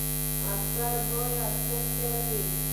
عسکر باید څنګه وي؟